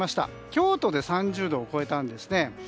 京都で３０度を超えたんですね。